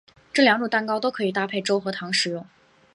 这两种蛋糕都可以搭配粥和糖食用。